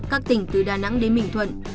các tỉnh từ đà nẵng đến bình thuận